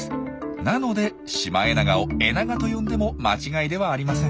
なのでシマエナガをエナガと呼んでも間違いではありません。